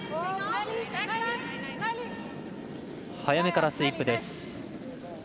早めからスイープです。